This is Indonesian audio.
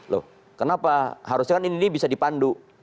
loh kenapa harusnya kan ini bisa dipandu